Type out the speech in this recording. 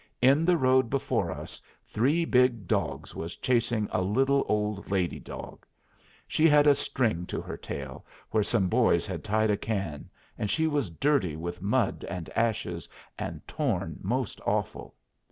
In the road before us three big dogs was chasing a little old lady dog. She had a string to her tail, where some boys had tied a can, and she was dirty with mud and ashes, and torn most awful.